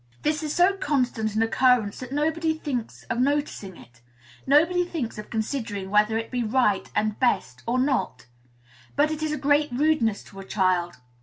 This is so constant an occurrence that nobody thinks of noticing it; nobody thinks of considering whether it be right and best, or not. But it is a great rudeness to a child.